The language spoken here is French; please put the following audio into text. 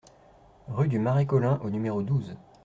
Rue du Marais Colin au numéro douze